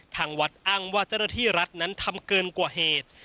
ทางวัดอ้างว่าเจ้าหน้าที่รัฐนั้นทำเกินกว่าเหตุ